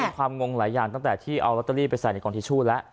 ความงงหลายอย่างตั้งแต่ที่เอาลอตเตอรี่ไปใส่ในกองทิชชู่แล้ว